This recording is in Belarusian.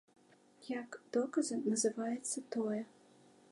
Як доказы называецца тое.